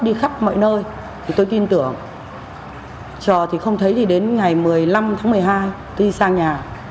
đi khắp mọi nơi thì tôi tin tưởng trò thì không thấy thì đến ngày một mươi năm tháng một mươi hai đi sang nhà